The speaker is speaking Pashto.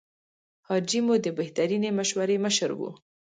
حاجي مو د بهترینې مشورې مشر و.